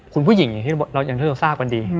คุณผู้หญิงที่เรายังเท่าที่เราทราบกันดี